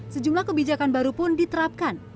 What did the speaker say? sejumlah kebijakan baru pun diterapkan